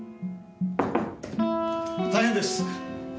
大変です！